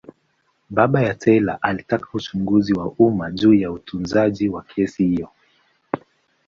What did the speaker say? Baba ya Taylor alitaka uchunguzi wa umma juu ya utunzaji wa kesi hiyo.